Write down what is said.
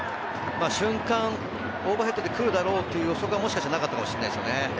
瞬間、オーバーヘッドで来るだろうと予測はもしかしたらなかったかもしれませんね。